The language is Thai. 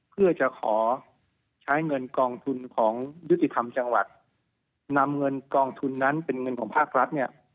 เพื่อจะขอใช้เงินกองทุนของยุติธรรมจังหวัดนำเงินกองทุนนั้นเป็นเงินของภาครัฐเนี่ย